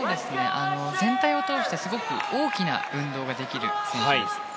全体を通してすごく大きな運動ができる選手です。